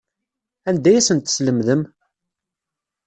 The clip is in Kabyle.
Anda ay asen-teslemdem?